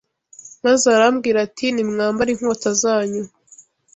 maze arababwira ati nimwambare inkota zanyu